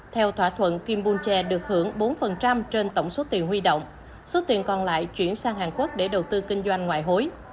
theo thỏa thuận kim bôn che được hưởng bốn trên tổng số tiền huy động số tiền còn lại chuyển sang hàn quốc để đầu tư kinh doanh ngoại hối